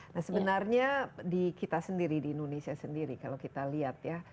nah sebenarnya di kita sendiri di indonesia sendiri kalau kita lihat ya